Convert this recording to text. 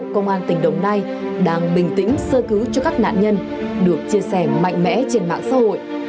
công an tỉnh đồng nai đang bình tĩnh sơ cứu cho các nạn nhân được chia sẻ mạnh mẽ trên mạng xã hội